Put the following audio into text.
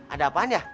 ada apaan ya